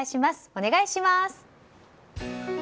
お願いします。